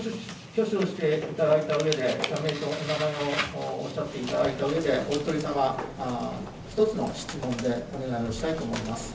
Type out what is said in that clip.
挙手をしていただいたうえで、社名とお名前をおっしゃっていただいたうえで、お１人様１つの質問でお願いをしたいと思います。